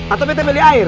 atau betta beli air